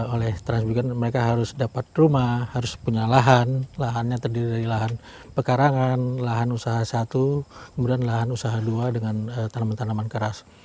oleh transmigran mereka harus dapat rumah harus punya lahan lahannya terdiri dari lahan pekarangan lahan usaha satu kemudian lahan usaha dua dengan tanaman tanaman keras